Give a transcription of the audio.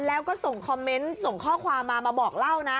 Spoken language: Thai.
แล้วก็ส่งคอมเมนต์ส่งข้อความมามาบอกเล่านะ